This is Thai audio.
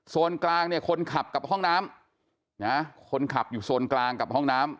กลางเนี่ยคนขับกับห้องน้ำนะคนขับอยู่โซนกลางกับห้องน้ำ